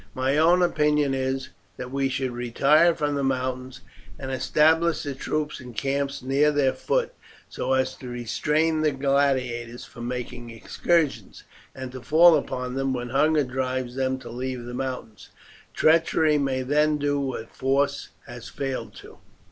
My own opinion is, that we should retire from the mountains and establish the troops in camps near their foot, so as to restrain the gladiators from making excursions, and to fall upon them when hunger drives them to leave the mountains. Treachery may then do what force has failed in.